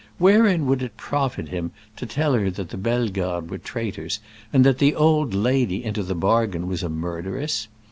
Wherein would it profit him to tell her that the Bellegardes were traitors and that the old lady, into the bargain was a murderess?